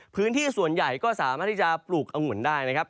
พื้นที่ส่วนใหญ่ก็สามารถที่จะปลูกองุ่นได้นะครับ